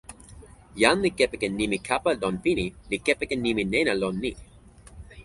jan li kepeken nimi kapa lon pini li kepeken nimi nena lon ni.